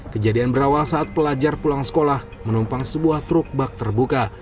kejadian berawal saat pelajar pulang sekolah menumpang sebuah truk bak terbuka